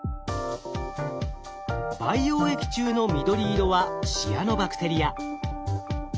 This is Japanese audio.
培養液中の緑色はシアノバクテリア。